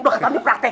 udah katanya praktek